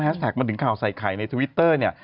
แท็กมาถึงข่าวใส่ไข่ในทวิตเตอร์เนี่ย